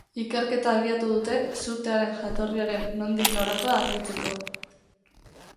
Ikerketa abiatu dute sutearen jatorriaren nondik norakoak argitzeko.